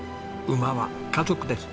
馬は家族です。